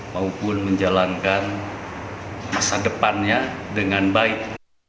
maupun menjalankan masa depannya dengan baik